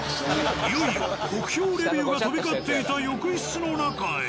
いよいよ酷評レビューが飛び交っていた浴室の中へ。